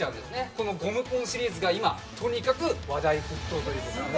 このゴムポンシリーズが今とにかく話題沸騰ということなんですね